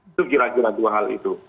itu kira kira dua hal itu